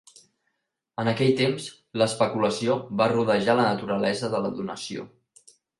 En aquell temps, l'especulació va rodejar la naturalesa de la donació.